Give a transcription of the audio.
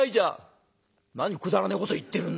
「何くだらねえこと言ってるんだよおい。